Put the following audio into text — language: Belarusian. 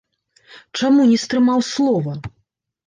Чаму не стрымаў слова?